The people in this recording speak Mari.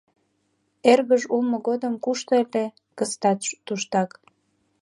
Эргыж улмо годым кушто ыле, кызытат туштак.